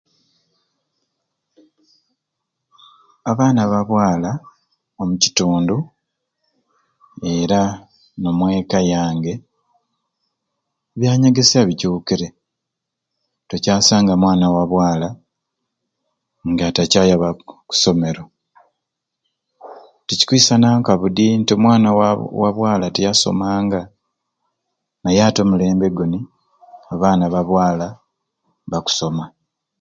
Abaana ba bwala omu kitundu era n'omweka yange ebyanyegesya bicuukire, tocaasanga mwana wa bwala nga tacaayaba ku somero tikikwisana ka budi nti omwana wa bwala tiyasomanga naye ati omulembe guni abaana ba bwala bakusoma